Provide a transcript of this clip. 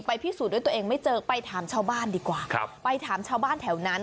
พิสูจน์ด้วยตัวเองไม่เจอไปถามชาวบ้านดีกว่าครับไปถามชาวบ้านแถวนั้น